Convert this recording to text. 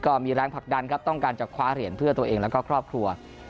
ก็มีแรงผลักดันครับต้องการจะคว้าเหรียญเพื่อตัวเองแล้วก็ครอบครัว